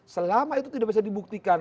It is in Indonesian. selama itu tidak bisa dibuktikan